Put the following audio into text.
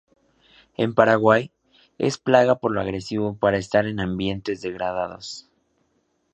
En Paraguay es plaga por lo agresivo para estar en ambientes degradados.